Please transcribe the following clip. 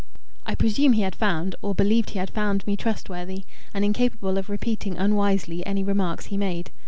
I presume he had found, or believed he had found me trustworthy, and incapable of repeating unwisely any remarks he made.